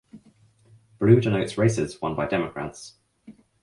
Blue denotes races won by Democrats.